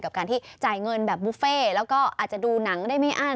กับการที่จ่ายเงินแบบบุฟเฟ่แล้วก็อาจจะดูหนังได้ไม่อั้น